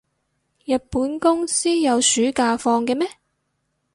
日本公司有暑假放嘅咩？